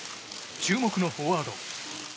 注目のフォワード。